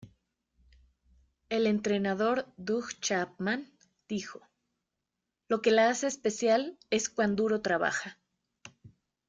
El entrenador Doug Chapman dijo, "Lo que la hace especial es cuan duro trabaja.